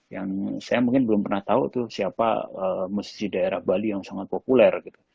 yang saya mungkin belum pernah tahu tuh siapa masjid daerah bali yang sangat populer gitu